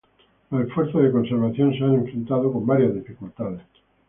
Los esfuerzos de conservación se han enfrentado con varias dificultades.